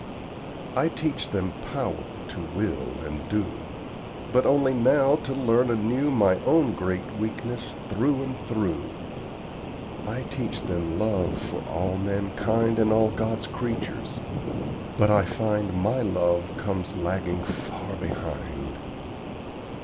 I teach them POWER to will and do, But only now to learn anew My own great weakness through and through. I teach them LOVE for all mankind And all God's creatures, but I find My love comes lagging far behind.